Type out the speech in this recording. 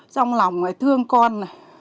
trong lòng người thương con này